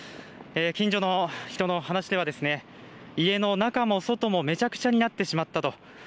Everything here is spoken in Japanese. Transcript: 近所の人の話では家の中も外もめちゃくちゃになってしまったと。